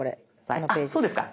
あそうですか。